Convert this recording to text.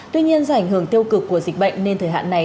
tuy nhiên do ảnh hưởng tiêu cực của dịch bệnh nên thời hạn này